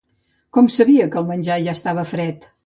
Com sabia que el menjar ja estava fred?